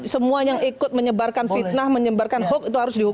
semua yang ikut menyebarkan fitnah menyebarkan hoax itu harus dihukum